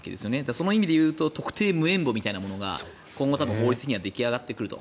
その意味で言うと特定無縁墓みたいなものが今後多分、法律的には出来上がってくると。